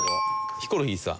ヒコロヒーさん。